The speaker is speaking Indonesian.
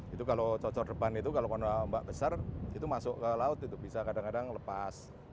itu kalau cocok depan itu kalau karena ombak besar itu masuk ke laut itu bisa kadang kadang lepas